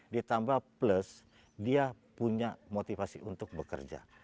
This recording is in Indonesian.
ditambah plus dia punya motivasi untuk bekerja